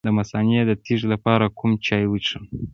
د مثانې د تیږې لپاره کوم چای وڅښم؟